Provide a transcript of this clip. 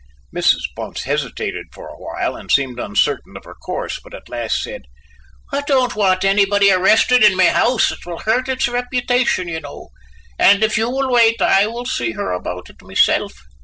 Mrs. Bunce hesitated for awhile and seemed uncertain of her course, but at last said: "I don't want anybody arrested in my house it will hurt its reputation, you know and if you will wait I will see her about it myself."